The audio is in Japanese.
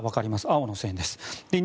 青の線です。